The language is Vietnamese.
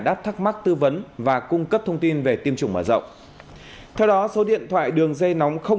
đáp thắc mắc tư vấn và cung cấp thông tin về tiêm chủng mở rộng theo đó số điện thoại đường dây nóng không